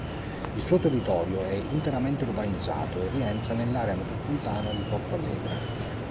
Il suo territorio è interamente urbanizzato e rientra nell'area metropolitana di Porto Alegre.